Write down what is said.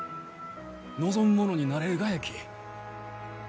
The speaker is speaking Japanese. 望む者になれるがやき。